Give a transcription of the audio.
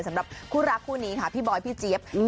สำหรับคู่รักคู่นี้ค่ะพี่บอยพี่เจี๊ยบ